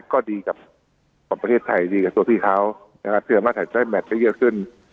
ก็ดีกับประเทศไทยดีกับตัวพี่เขาเพื่อนมาถ่ายแจ้งแบ็คจะเยอะซึ่ง